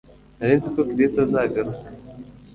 Nari nzi ko Chris azagaruka